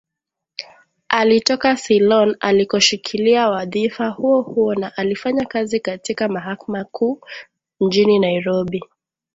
Alitoka Ceylon alikoshikilia wadhifa huohuo na alifanya kazi katika mahakama Kuu mjini Nairobi